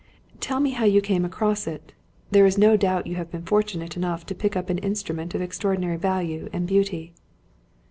"Tell me how you came across it. There is no doubt you have been fortunate enough to pick up an instrument of extraordinary value and beauty."